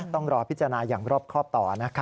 ต้องรอพิจารณาอย่างรอบครอบต่อ